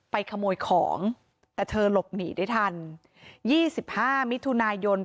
ไปขโมยของแต่เธอหลบหนีได้ทันยี่สิบห้ามิทุนายยนต์